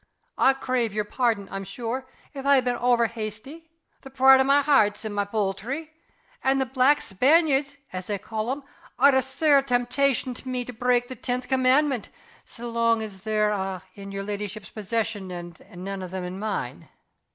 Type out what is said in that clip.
I crave yer pardon, I'm sure, if I ha' been ower hasty. The pride o' my hairt's in my powltry and the black Spaniards' (as they ca' them) are a sair temptation to me to break the tenth commandment, sae lang as they're a' in yer leddyship's possession, and nane o' them in mine."